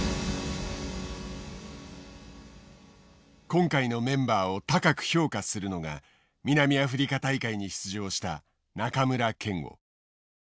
今回のメンバーを高く評価するのが南アフリカ大会に出場した中村憲剛。